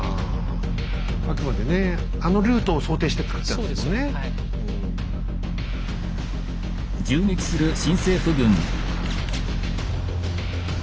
あくまでねあのルートを想定して造ったんですもんね。